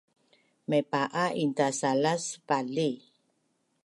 Maipa’a intasalas vali